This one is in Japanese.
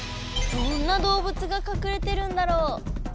どんなどうぶつがかくれてるんだろう？